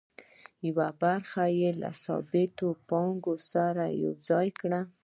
یوه برخه یې له ثابتې پانګې سره یوځای کوي